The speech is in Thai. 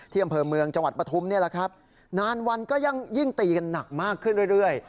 อำเภอเมืองจังหวัดปฐุมนี่แหละครับนานวันก็ยิ่งตีกันหนักมากขึ้นเรื่อย